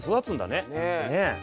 ねえ。